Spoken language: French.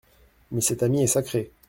Mais cet ami est sacré.